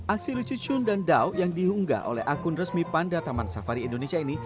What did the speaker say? aksi lucu chun dan dao yang diunggah oleh akun resmi panda taman safari indonesia ini